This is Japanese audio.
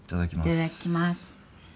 いただきます。